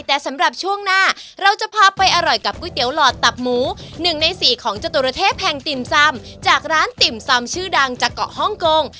แต่สำหรับช่วงหน้าเราจะพาไปอร่อยกับก๋วยเตี๋ยวหลอดตับหมู๑ใน๔ของจตุรเทพแห่งติ่มซำจากร้านติ่มซำชื่อดังจากเกาะฮ่องกง